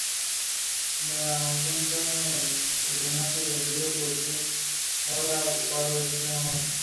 Todavía hay en Cádiz quien deposita flores en su tumba.